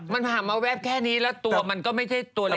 มันผ่านมาแวบแค่นี้แล้วตัวมันก็ไม่ใช่ตัวเล็ก